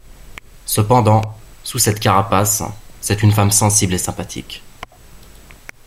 Cependant, sous cette carapace, c'est une femme sensible et sympathique.